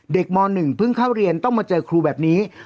ม๑เพิ่งเข้าเรียนต้องมาเจอครูแบบนี้